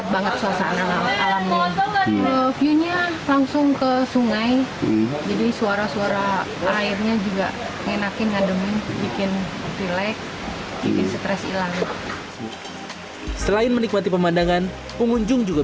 beda banget sama yang lainnya